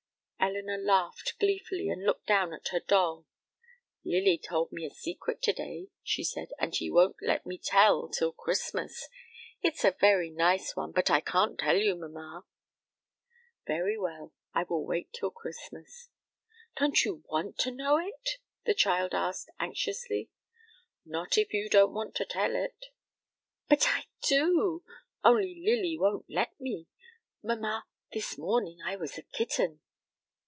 Elinor laughed gleefully, and looked down at her doll. "Lily told me a secret to day," she said, "and she won't let me tell till Christmas. It's a very nice one, but I can't tell you, mamma." "Very well. I will wait till Christmas." "Don't you want to know it?" the child asked, anxiously. "Not if you don't want to tell it." "But I do, only Lily won't let me. Mamma, this morning I was a kitten."